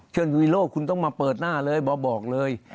เชื่อชู้ฮีโร่คุณต้องมาเปิดหน้าเลยบอกเลย